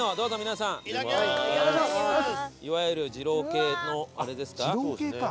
いわゆる二郎系のあれですか？